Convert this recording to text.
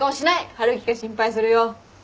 春樹が心配するよ。